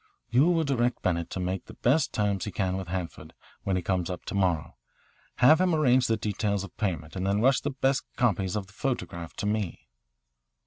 "You will direct Bennett to make the best terms he can with Hanford when he comes up to morrow. Have him arrange the details of payment and then rush the best copies of the photographs to me."